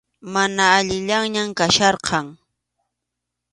Mana allinllañam kachkarqan.